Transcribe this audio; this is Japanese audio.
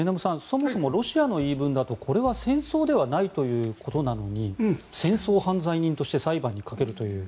そもそもロシアの言い分だとこれは戦争ではないということなのに戦争犯罪人として裁判にかけるという。